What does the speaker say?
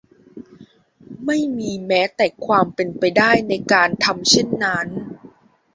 ไม่มีแม้แต่ความเป็นไปได้ในการทำเช่นนั้น